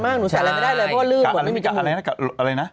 อะไรนะ